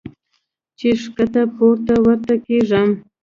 چې ښکته پورته ورته کېږم -